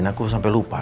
aku sampe lupa